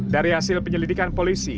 dari hasil penyelidikan polisi